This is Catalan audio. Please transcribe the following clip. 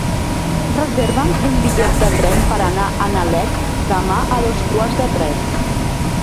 Reserva'm un bitllet de tren per anar a Nalec demà a dos quarts de tres.